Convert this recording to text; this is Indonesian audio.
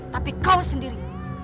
tapi kau sendiri